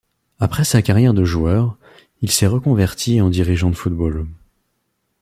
Après sa carrière de joueur, il s'est reconverti en dirigeant de football.